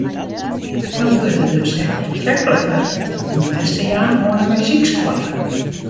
No wurdt it dus ek oantrekliker om les te jaan oan in muzykskoalle.